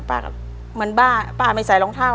ครับเหมือนบ้าป้าไม่ใส่รองเท้า